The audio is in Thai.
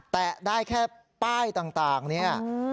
แตะได้แค่ป้ายต่างนี่